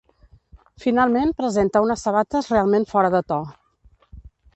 Finalment presenta unes sabates realment fora de to.